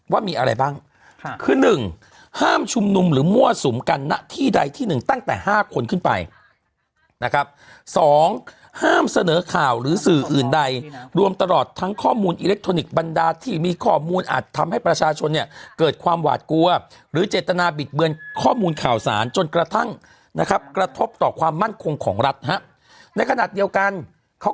ว่ามีอะไรบ้างคือ๑ห้ามชุมนุมหรือมั่วสุมกันณที่ใดที่หนึ่งตั้งแต่๕คนขึ้นไปนะครับสองห้ามเสนอข่าวหรือสื่ออื่นใดรวมตลอดทั้งข้อมูลอิเล็กทรอนิกส์บรรดาที่มีข้อมูลอาจทำให้ประชาชนเนี่ยเกิดความหวาดกลัวหรือเจตนาบิดเบือนข้อมูลข่าวสารจนกระทั่งนะครับกระทบต่อความมั่นคงของรัฐฮะในขณะเดียวกันเขา